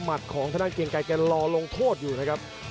มัดของท่านท่านเกงไก้ก็รอลงโทษอยู่นะครับ